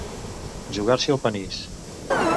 Jugar-se el panís.